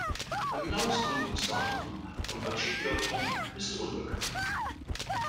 Ein genaues Gründungsdatum von Wat Chedi Yot Thong ist unbekannt.